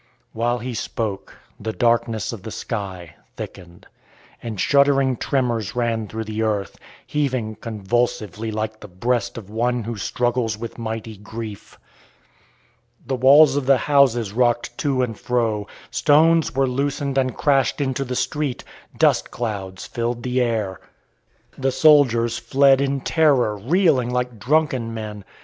While he spoke the darkness of the sky thickened, and shuddering tremors ran through the earth, heaving convulsively like the breast of one who struggles with mighty grief. The walls of the houses rocked to and fro. Stones were loosened and crashed into the street. Dust clouds filled the air. The soldiers fled in terror, reeling like drunken men.